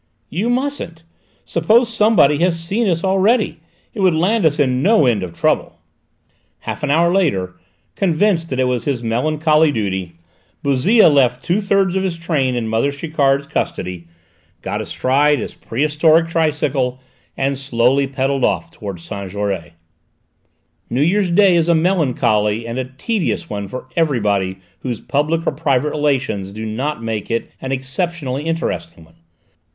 "You mustn't: suppose somebody has seen us already? It would land us in no end of trouble!" Half an hour later, convinced that it was his melancholy duty, Bouzille left two thirds of his train in mother Chiquard's custody, got astride his prehistoric tricycle and slowly pedalled off towards Saint Jaury. New Year's Day is a melancholy and a tedious one for everybody whose public or private relations do not make it an exceptionally interesting one.